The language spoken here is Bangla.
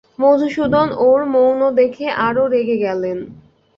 মধুসূদন ওর মৌন দেখে আরো রেগে গেল।